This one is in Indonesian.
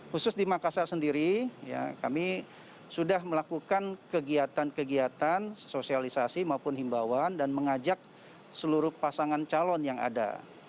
khusus di makassar sendiri kami sudah melakukan kegiatan kegiatan sosialisasi maupun himbawan dan mengajak seluruh pasangan calon yang ada